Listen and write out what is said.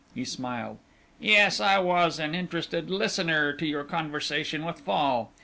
He smiled. "Yes, I was an interested listener to your conversation with Fall.